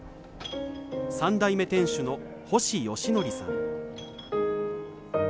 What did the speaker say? ３代目店主の星良則さん。